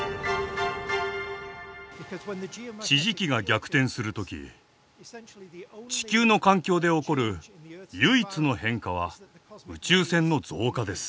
地磁気が逆転するとき地球の環境で起こる唯一の変化は宇宙線の増加です。